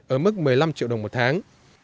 ở mức một mươi năm triệu đồng một tháng